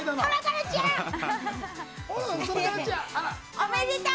おめでとう。